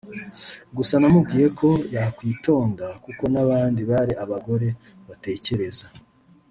Gusa namubwira ko yakwitonda kuko n’ abandi bari abagore batekereza